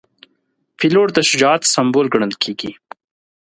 پیلوټ د شجاعت سمبول ګڼل کېږي.